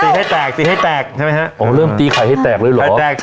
ตีให้แตกตีให้แตกใช่ไหมฮะอ๋อเริ่มตีไข่ให้แตกเลยเหรอไข่แตก